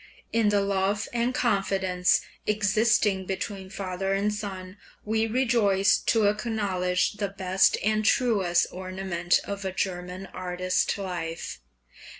In the love and confidence existing between father and son we rejoice to acknowledge the best and truest ornament of a German artist life.